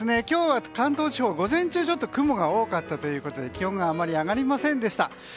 今日は関東地方、午前中雲が多かったということで気温があまり上がりませんでした。